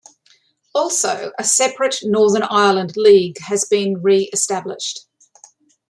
Also a separate Northern Ireland league has been re-established.